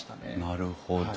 なるほど。